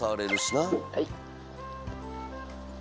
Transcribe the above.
はい。